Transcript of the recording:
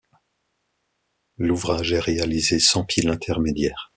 L'ouvrage est réalisé sans pile intermédiaire.